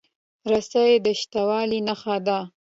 رسۍ د شته والي نښه ده.